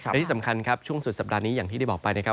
และที่สำคัญครับช่วงสุดสัปดาห์นี้อย่างที่ได้บอกไปนะครับ